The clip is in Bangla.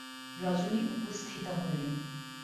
রজনী উপস্থিতা হইল।